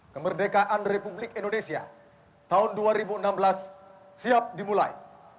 kemerdekaan republik indonesia tahun dua ribu enam belas siap dimulai